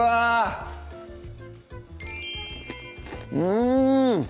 うん！